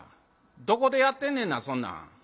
どこでやってんねんなそんなん」。